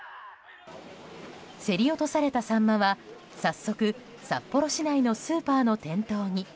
競り落とされたサンマは早速、札幌市内のスーパーの店頭に。